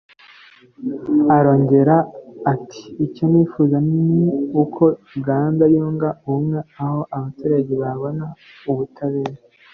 Arongera ati “Icyo nifuza ni uko Uganda yunga ubumwe aho abaturage babona ubutabera